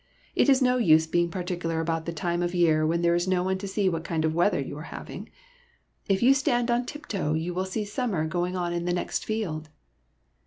"It is no use being particular about the time of year when there is no one to see what kind of weather you are having. If you stand on tiptoe you will see summer going on in the next field."